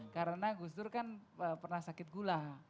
karena gus dur kan pernah sakit gula